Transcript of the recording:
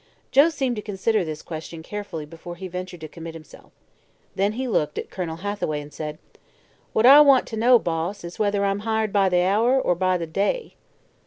Joe seemed to consider this question carefully before he ventured to commit himself. Then he looked at Colonel Hathaway and said: "What I want t' know, Boss, is whether I'm hired by the hour, er by the day?"